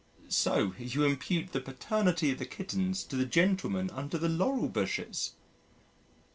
"So you impute the paternity of the kittens to the gentleman under the laurel bushes?"